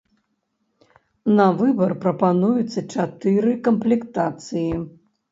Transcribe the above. На выбар прапануецца чатыры камплектацыі.